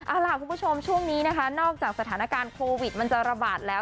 เอาล่ะคุณผู้ชมช่วงนี้นะคะนอกจากสถานการณ์โควิดมันจะระบาดแล้ว